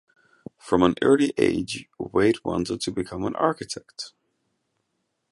From an early age, Wade wanted to become an architect.